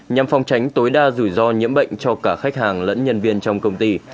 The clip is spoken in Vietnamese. nhằm phòng tránh tối đa rủi ro nhiễm bệnh cho cả khách hàng lẫn nhân viên trong công ty